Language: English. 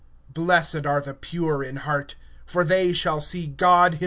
(8)Happy the pure in heart; for they shall see God.